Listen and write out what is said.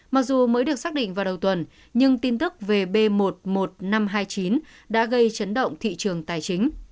mặc dù mới được xác định vào đầu tuần nhưng tin tức về b một mươi một nghìn năm trăm hai mươi chín đã gây chấn động thị trường tài chính